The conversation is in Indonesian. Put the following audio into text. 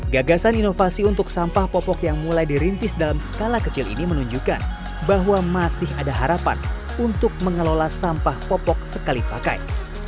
gagasan inovasi untuk sampah popok yang mulai dirintis dalam skala kecil ini menunjukkan bahwa masih ada harapan untuk mengelola sampah popok sekali pakai